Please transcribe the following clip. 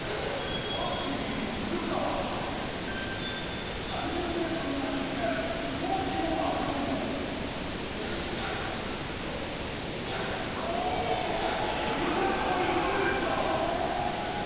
アーチェリーの３０ｍ先にある太巻きのマグロを見事射ぬいた！